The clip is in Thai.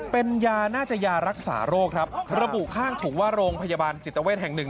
เป็นยาน่าจะยารักษาโรคครับระบุข้างถุงว่าโรงพยาบาลจิตเวทแห่งหนึ่ง